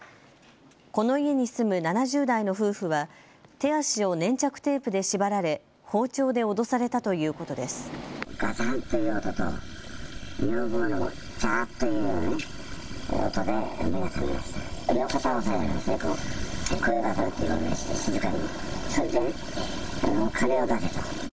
この家に住む７０代の夫婦は手足を粘着テープで縛られ包丁で脅されたということです。